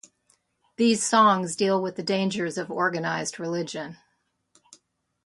These songs deal with the dangers of organized religion.